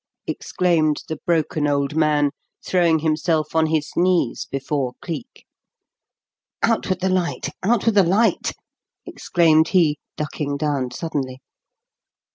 exclaimed the broken old man, throwing himself on his knees before Cleek. "Out with the light out with the light!" exclaimed he, ducking down suddenly.